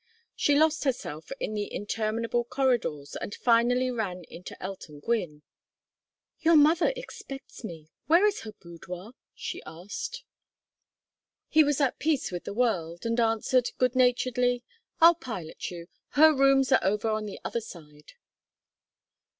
She lost herself in the interminable corridors and finally ran into Elton Gwynne. "Your mother expects me where is her boudoir?" she asked. He was at peace with the world, and answered, good naturedly: "I'll pilot you. Her rooms are over on the other side."